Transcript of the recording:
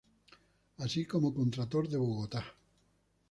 Así como Contralor de Bogotá.